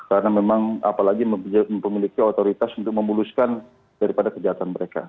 karena memang apalagi memiliki otoritas untuk memuluskan daripada kejahatan mereka